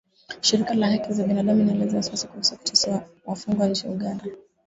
Shirika la haki za Binadamu inaelezea wasiwasi kuhusu kuteswa wafungwa nchini Uganda